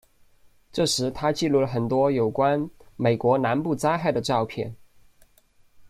这时他记录了很多有关美国南部旱灾的照片。